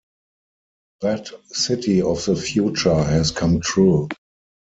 That city of the future has come true.